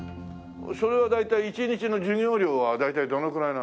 それは大体１日の授業料は大体どのくらいなの？